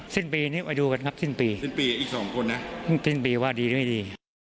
สิ้นปีนี้ไปดูกันครับสิ้นปีสิ้นปีอีก๒คนนะสิ้นปีว่าดีไม่ดี